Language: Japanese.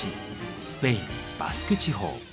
スペイン・バスク地方。